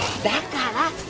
だから！